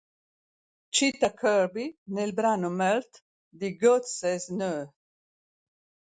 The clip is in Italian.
Cita Kirby nel brano "Melt" di "God Says No".